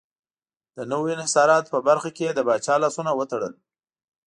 د نویو انحصاراتو په برخه کې یې د پاچا لاسونه تړل.